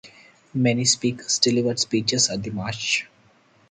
Many speakers delivered speeches at the March.